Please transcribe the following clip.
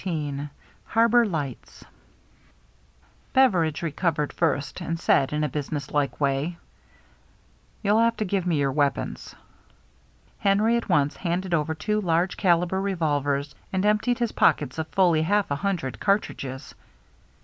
CHAPTER XIV HARBOR LIGHTS BEVERIDGE recovered first, and said in a businesslike way, "You'll have to give me your weapons." Henry at once handed over two large caliber revolvers, and emptied his pockets of fully half a hundred cartridges.